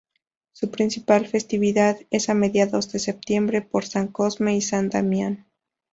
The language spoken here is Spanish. Su principal festividad es a mediados de septiembre, por San Cosme y San Damián.